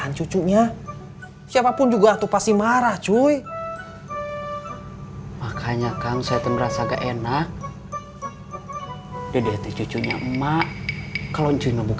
assalamualaikum warahmatullahi wabarakatuh